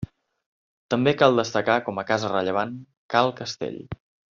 També cal destacar com a casa rellevant Cal Castell.